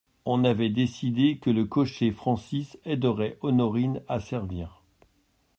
On avait décidé que le cocher Francis aiderait Honorine à servir.